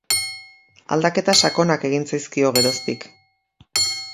Aldaketa sakonak egin zaizkio geroztik.